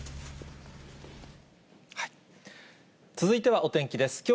続いてはお天気です。